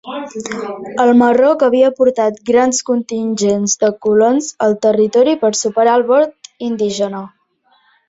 El Marroc havia portat grans contingents de colons al territori per superar el vot indígena.